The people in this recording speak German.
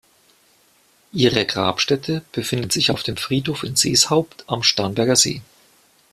Ihre Grabstätte befindet sich auf dem Friedhof in Seeshaupt am Starnberger See.